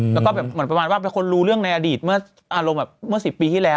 แล้วก็แบบเหมือนประมาณว่าเป็นคนรู้เรื่องในอดีตเมื่ออารมณ์แบบเมื่อ๑๐ปีที่แล้ว